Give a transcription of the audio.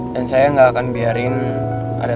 dan saya gak akan biarin ada